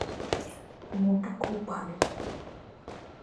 মনটা খুব ভালো।